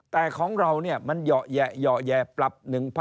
แต่ของเราเนี่ยมันหย่อแยะหย่อแยะปรับ๑๐๐๐๒๐๐๐๓๐๐๐๕๐๐๐